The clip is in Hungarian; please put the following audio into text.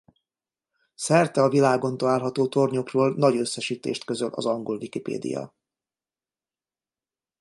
A szerte a világon található tornyokról nagy összesítést közöl az angol Wikipédia.